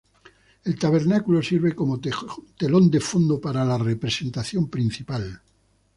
El tabernáculo sirve como telón de fondo para la representación principal.